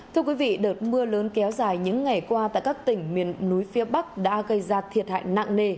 thưa quý vị đợt mưa lớn kéo dài những ngày qua tại các tỉnh miền núi phía bắc đã gây ra thiệt hại nặng nề